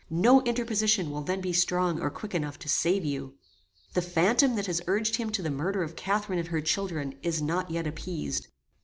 No interposition will then be strong or quick enough to save you. "The phantom that has urged him to the murder of Catharine and her children is not yet appeased.